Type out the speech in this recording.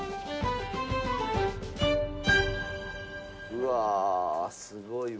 うわあすごいわ。